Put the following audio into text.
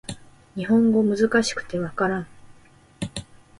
日本語難しくて分からん